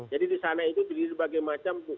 jadi disana itu jadi sebagian macam